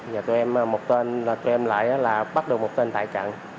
và tụi em một tên là tụi em lại là bắt được một tên tại trận